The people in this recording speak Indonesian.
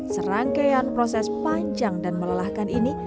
serangkaian proses panjang dan melelahkan ini